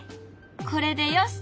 これでよし！